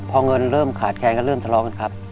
พอเงินเริ่มขาดแคลนก็เริ่มทะเลาะกันครับ